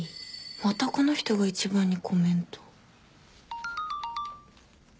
またこの人が一番にコメント。